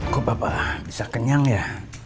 kok bapak bisa kenyang ya